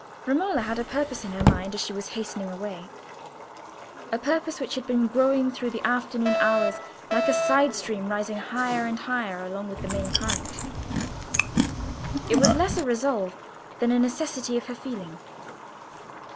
Romola had a purpose in her mind as she was hastening away; a purpose which had been growing through the afternoon hours like a side stream, rising higher and higher along with the main current. It was less a resolve than a necessity of her feeling.